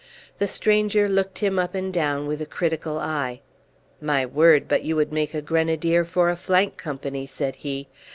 The stranger looked him up and down with a critical eye: "My word, but you would make a grenadier for a flank company," said he.